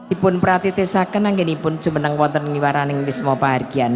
ibu pratiti saken tening ibu jemeneng wetening iwaraning bismo paharjian